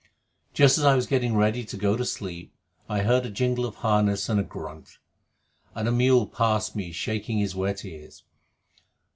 Just as I was getting ready to go to sleep I heard a jingle of harness and a grunt, and a mule passed me shaking his wet ears.